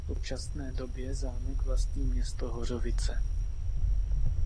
V současné době zámek vlastní město Hořovice.